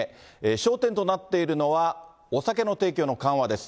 焦点となっているのは、お酒の提供の緩和です。